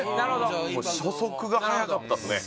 もう初速が速かったっすね